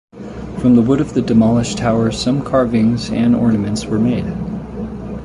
From the wood of the demolished tower some carvings and ornaments were made.